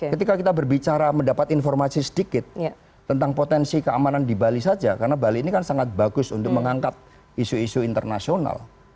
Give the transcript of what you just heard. ketika kita berbicara mendapat informasi sedikit tentang potensi keamanan di bali saja karena bali ini kan sangat bagus untuk mengangkat isu isu internasional